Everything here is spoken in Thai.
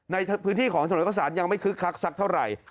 ในพื้นที่ของถนนข้าวสารยังไม่คึกคักสักเท่าไหร่